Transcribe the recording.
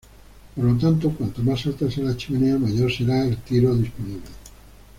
Por lo tanto, cuánto más alta sea la chimenea mayor será el tiro disponible.